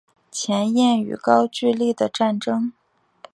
前燕与高句丽的战争